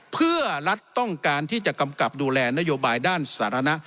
เพื่อรัฐต้องการที่จะกำกับดูแลนโยบายด้านสาธารณะ